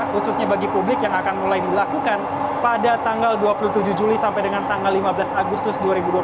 khususnya bagi publik yang akan mulai dilakukan pada tanggal dua puluh tujuh juli sampai dengan tanggal lima belas agustus dua ribu dua puluh